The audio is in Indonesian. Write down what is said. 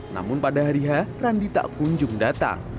namun pada hari h randi tak kunjung datang